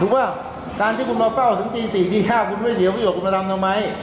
ถูกปะการที่คุณมาเฝ้าถึงตีสี่ตีห้าคุณไม่เสียคุณไม่ต้องมาทำทำไหม